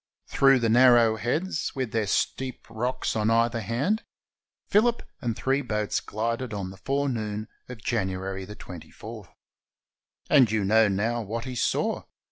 Through the narrow heads, with their steep rocks on either hand, Phillip and his three boats glided on the forenoon of January 24. And you know now what he saw.